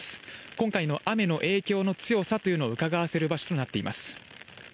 今回の雨の影響の強さというのをうかがわせる場所となっています。